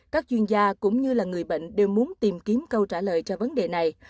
các chuyên gia cũng như là người bệnh đều muốn tìm kiếm câu trả lời cho vấn đề này